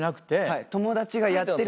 はい友達がやってる。